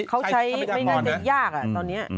เขาใช้ไม่น่าจะยากตอนนี้